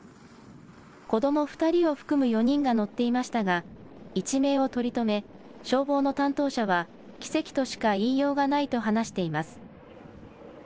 子ども２人を含む４人が乗っていましたが、一命を取り留め、消防の担当者は、奇跡としか言いようがないと話しています。